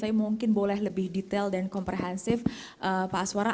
tapi mungkin boleh lebih detail dan komprehensif pak aswara